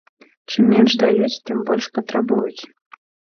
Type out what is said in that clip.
Чым менш даюць, тым больш патрабуюць.